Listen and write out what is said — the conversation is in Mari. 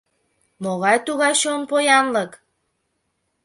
— Могай-тугай чон поянлык?..